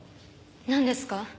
なんですか？